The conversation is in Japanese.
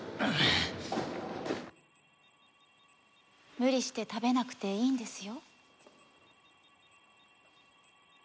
無理して食べなくていいんですよ。